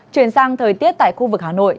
chuyển sang thời tiết tại khu vực hà nội